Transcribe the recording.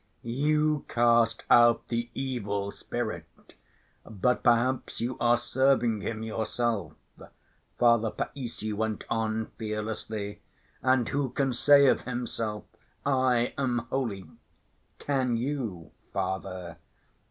"You cast out the evil spirit, but perhaps you are serving him yourself," Father Païssy went on fearlessly. "And who can say of himself 'I am holy'? Can you, Father?"